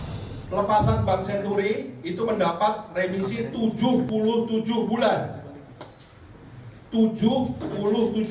pelepasan bank senturi itu mendapat remisi tujuh puluh tujuh bulan